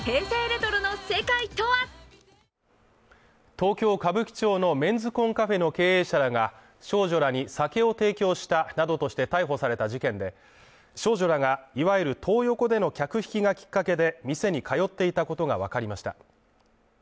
東京歌舞伎町のメンズコンカフェの経営者らが少女らに酒を提供したなどとして逮捕された事件で、少女らが、いわゆるトー横での客引きがきっかけで店に通っていたことがわかりました。